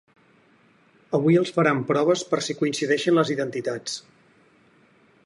Avui els faran proves per si coincideixen les identitats.